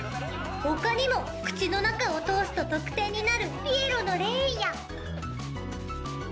他にも口の中を通すと得点になるピエロのレーンや。